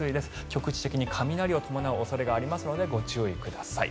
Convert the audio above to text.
局地的に雷を伴う恐れがありますのでご注意ください。